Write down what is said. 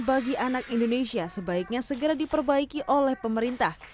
bagi anak indonesia sebaiknya segera diperbaiki oleh pemerintah